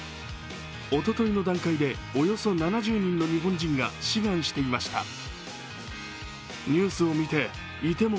おとといの段階で、およそ７０人の日本人が志願していました。